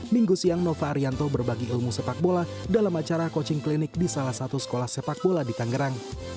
minggu siang nova arianto berbagi ilmu sepak bola dalam acara coaching klinik di salah satu sekolah sepak bola di tangerang